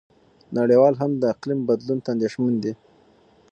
نړیوال هم د اقلیم بدلون ته اندېښمن دي.